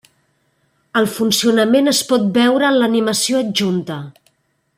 El funcionament es pot veure en l'animació adjunta.